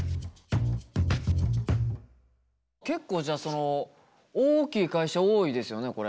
結構じゃあその大きい会社多いですよねこれ。